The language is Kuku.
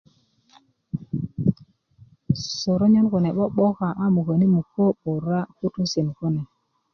soronyon kune 'bo'boka a muköni' mukö 'bura' kutusin kune